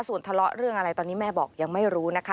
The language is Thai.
ส่วนทะเลาะเรื่องอะไรตอนนี้แม่บอกยังไม่รู้นะคะ